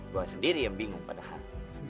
gue sendiri yang bingung padahal